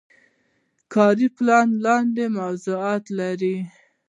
کاري پلان لاندې موضوعات لري.